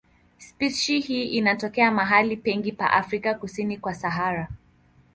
Spishi hii inatokea mahali pengi pa Afrika kusini kwa Sahara.